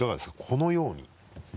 このように。